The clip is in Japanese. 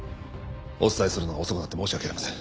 お伝えするのが遅くなって申し訳ありません。